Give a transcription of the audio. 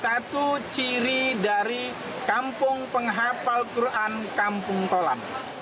salah satu ciri dari kampung penghafal quran kampung tolam